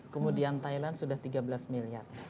kemudian thailand sudah tiga belas miliar